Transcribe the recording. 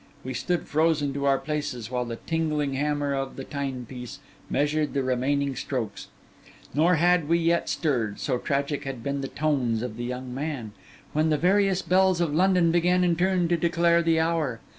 We stood frozen to our places, while the tingling hammer of the timepiece measured the remaining strokes; nor had we yet stirred, so tragic had been the tones of the young man, when the various bells of London began in turn to declare the hour.